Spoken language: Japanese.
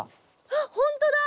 あっ本当だ！